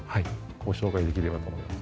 ご紹介できればと思います。